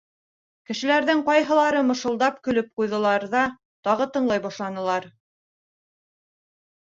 — Кешеләрҙең ҡайһылары мышылдап көлөп ҡуйҙылар ҙа тағы тыңлай башланылар.